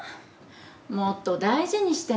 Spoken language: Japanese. もっと大事にしてね。